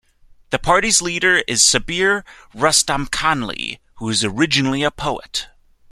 The party's leader is Sabir Rustamkhanli, who is originally a poet.